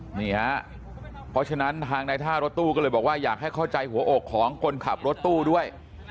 นี่ฮะเพราะฉะนั้นทางในท่ารถตู้ก็เลยบอกว่าอยากให้เข้าใจหัวอกของคนขับรถตู้ด้วย